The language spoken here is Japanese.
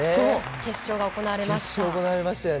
決勝が行われました。